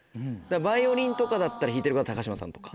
バイオリンとかだったら弾いてる方高嶋さんとか。